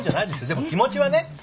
でも気持ちはね